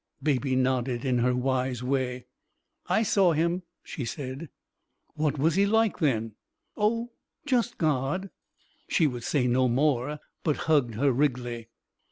Baby nodded in her wise way. "I saw Him," she said. "What was He like, then?" "Oh, just God." She would say no more, but hugged her Wriggly.